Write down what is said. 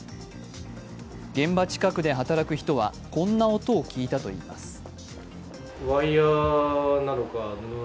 現場近くで働く人は、こんな音を聞いたといいます。